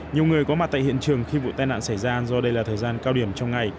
nhiều người có mặt tại hiện trường khi vụ tai nạn xảy ra do đây là thời gian cao điểm trong ngày